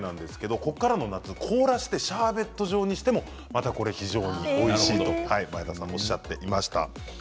これからの夏、凍らせてシャーベット状にしても非常においしいと前田さんおっしゃっていました。